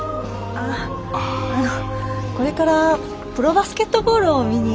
あああのこれからプロバスケットボールを見に。